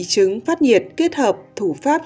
trứng phát nhiệt kết hợp thủ pháp